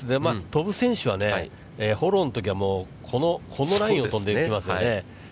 飛ぶ選手はね、フォローのときはこのラインを飛んでいきますよね。